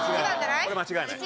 これ間違いない。